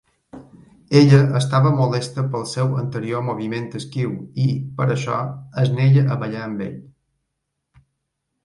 Ella estava molesta pel seu anterior moviment esquiu i, per això, es nega a ballar amb ell.